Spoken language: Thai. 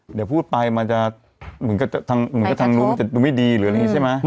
เดี๋ยวพูดไปมันจะมันก็จะดูไม่ดีหรืออะไรอย่างนี้ใช่ไหม